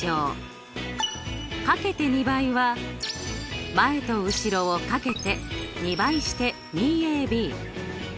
かけて２倍は前と後ろを掛けて２倍して２ｂ。